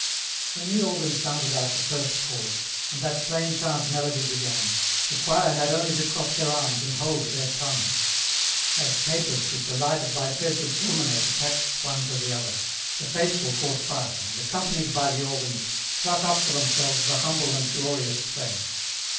When the organ sounded out the first chords, and that plain chant melody began, the choir had only to cross their arms and hold their tongues. As tapers which are lighted by threads of fulminate attached one to the other, the faithful caught fire, and, accompanied by the organs, struck up for themselves the humble and glorious strains.